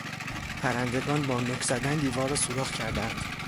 پرندگان با نوک زدن دیوار را سوراخ کردهاند.